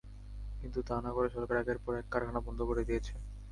কিন্তু তা না করে সরকার একের পর এক কারখানা বন্ধ করে দিয়েছে।